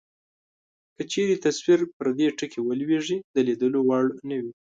که چیرې تصویر پر دې ټکي ولویږي د لیدلو وړ نه وي.